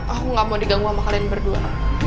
aku gak mau diganggu sama kalian berdua